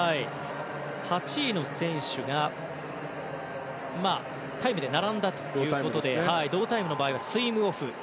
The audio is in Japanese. ８位の選手がタイムで並んだということで同タイムの場合はスイムオフ。